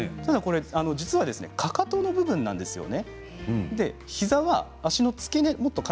実はかかとの部分なんですよね。